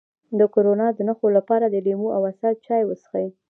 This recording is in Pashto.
د کرونا د نښو لپاره د لیمو او عسل چای وڅښئ